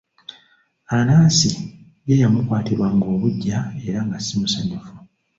Anansi ye yamukwatirwanga obuggya era nga si musanyufu.